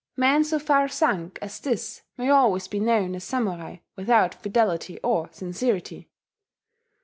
Men so far sunk as this may always be known as Samurai without fidelity or sincerity."